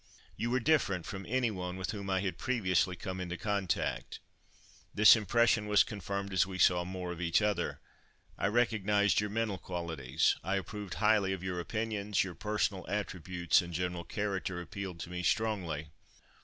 You were different from any one with whom I had previously come into contact. This impression was confirmed as we saw more of each other. I recognised your mental qualities. I approved highly of your opinions, your personal attributes and general character appealed to me strongly.